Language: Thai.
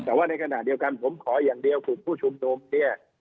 แต่ว่าในขณะเดียวกันผมขออย่างเดียวกลุ่มผู้ชุมนุมเนี่ย